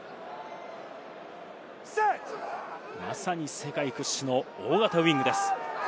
まさに世界屈指の大型ウイングです。